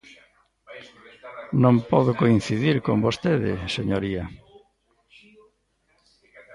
Non podo coincidir con vostede, señoría.